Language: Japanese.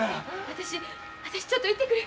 私私ちょっと行ってくる。